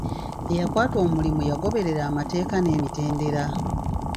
Eyakwata omulimu yagoberera amateeka n'emitendera.